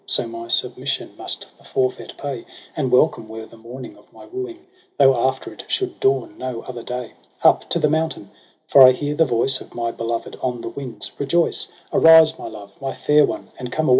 So my submission must the forfeit pay : And welcome were the morning of my wooing, Tho' after it should dawn no other day. Up to the mountain ! for I hear the voice Of my beloved on the winds. Rejoice ^ Arise J my love^ my fair one^ and come away